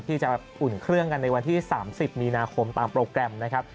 ที่จะแบบอุ่นเครื่องกันในวันที่๓๐มีนาคมตามโปรแกรมนะครับ